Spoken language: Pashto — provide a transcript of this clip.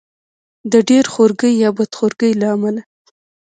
د ډېر خورګۍ یا بد خورګۍ له امله.